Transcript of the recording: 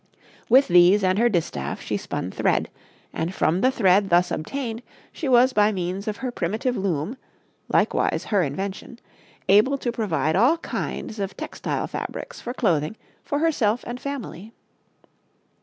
With these and her distaff she spun thread, and from the thread thus obtained she was by means of her primitive loom likewise her invention able to provide all kinds of textile fabrics for clothing for herself and family.